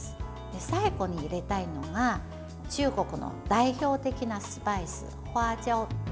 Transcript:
最後に入れたいのが中国の代表的なスパイスホワジャオフェン。